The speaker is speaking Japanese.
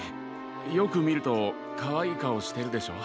よくみるとかわいいかおしてるでしょ？